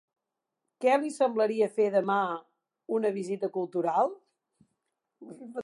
Què li semblaria fer demà una visita cultural?